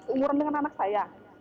umurnya dengan anak saya